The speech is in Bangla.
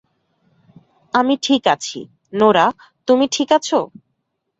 আমি ঠিক আছি - নোরা, তুমি ঠিক আছো?